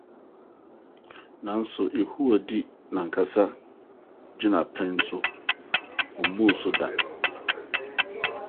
Nanso, Yehowa di n’ankasa gyinapɛn so ; ommu so da.